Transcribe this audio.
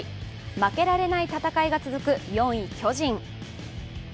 負けられない戦いが続く４位、巨人。